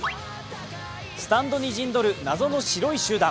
スタンドに陣取る謎の白い集団。